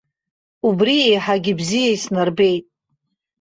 Убри еиҳагьы бзиа иснарбеит.